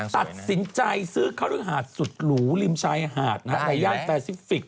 ตัดสินใจซื้อคฤหาสสุดหรูริมชายหาดในย่านแฟซิฟิกส